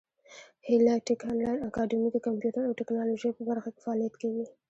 هیله ټېک انلاین اکاډمي د کامپیوټر او ټبکنالوژۍ په برخه کې فعالیت کوي.